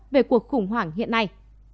về cuộc khủng hoảng hiện nay